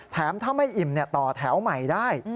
แถมถ้าไม่อิ่มต่อแถวใหม่ได้